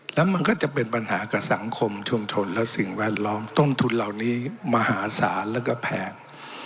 แล้วมันก็จะเป็นปัญหากับสังคมชุมชนและสิ่งแวดล้อมต้นทุนเหล่านี้มหาศาลแล้วก็แพง